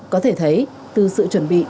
có thể thấy từ sự chuẩn bị